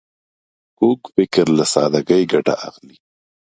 کوږ فکر له سادګۍ ګټه اخلي